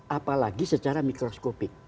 apalagi secara mikroskopik